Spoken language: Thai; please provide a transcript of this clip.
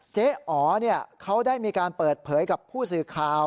เจ๊อ๋อเขาได้มีการเปิดเผยกับผู้สื่อข่าว